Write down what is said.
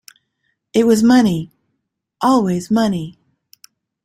It was money — always money.